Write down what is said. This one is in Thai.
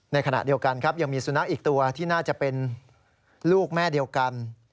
ในขณะเดียวกันครับยังมีสุนัขอีกตัวที่น่าจะเป็นลูกแม่เดียวกัน